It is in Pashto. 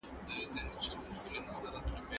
کتابتون څېړنه د علمي پرمختګ بنسټ جوړوي.